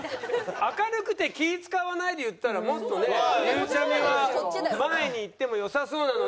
「明るくて気ぃ使わない」でいったらもっとねゆうちゃみは前にいってもよさそうなのになぜ６位に？